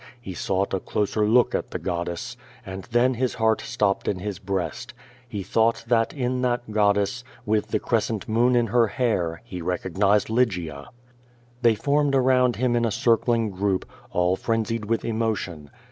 He sought a closer look at the goddess. And then his heart stopped in his breast. He thought that in that goddess, with the crescent moon in her hair, he recognized Lygia. They formed around him in a circling group, all frenzied with emotion.